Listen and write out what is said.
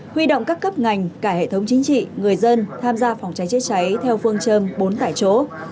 huy động các cấp ngành cả hệ thống chính trị người dân tham gia phòng cháy chữa cháy theo phương châm bốn tại chỗ